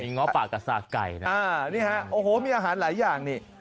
ง้อปากกับสากไก่นะนี่ฮะโอ้โหมีอาหารหลายอย่างนี่